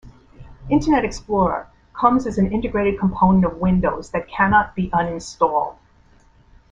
Internet Explorer comes as an integrated component of Windows that cannot be uninstalled.